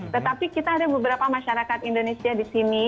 tetapi kita ada beberapa masyarakat indonesia di sini